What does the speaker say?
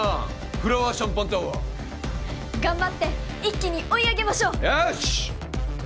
フラワーシャンパンタワー頑張って一気に追い上げましょうよし！